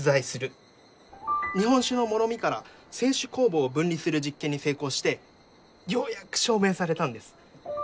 日本酒のもろみから清酒酵母を分離する実験に成功してようやく証明されたんです。